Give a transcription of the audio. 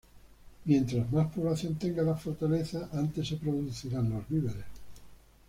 Mientras más población tenga la fortaleza, antes se producirán los víveres.